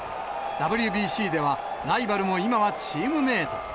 ＷＢＣではライバルも今はチームメート。